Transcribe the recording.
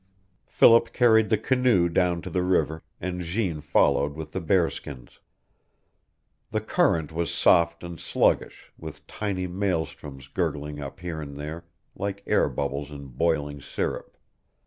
Philip carried the canoe down to the river, and Jeanne followed with the bearskins. The current was soft and sluggish, with tiny maelstroms gurgling up here and there, like air bubbles in boiling syrup.